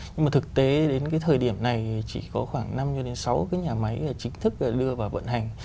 nhưng mà thực tế đến cái thời điểm này chỉ có khoảng năm cho đến sáu cái nhà máy chính thức đưa vào vận hành